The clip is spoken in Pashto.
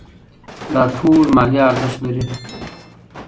دا ټول مالي ارزښت لري.